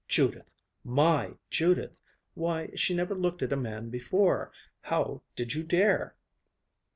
Judith! My Judith! Why, she never looked at a man before. How did you dare?"